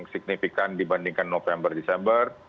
signifikan dibandingkan november december